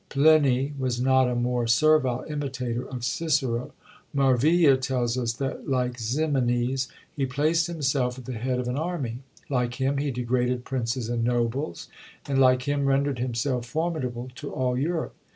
Pliny was not a more servile imitator of Cicero. Marville tells us that, like Ximenes, he placed himself at the head of an army; like him, he degraded princes and nobles; and like him, rendered himself formidable to all Europe.